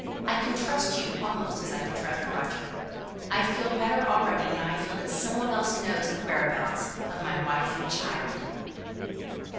I can trust you almost as I can trust Roger. I feel better already, now I feel that some one else knows the whereabouts of my wife and child."